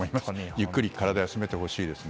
ゆっくり体を休めてほしいですね。